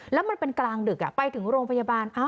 แล้วมันเป็นกลางดึกไปถึงโรงพยาบาล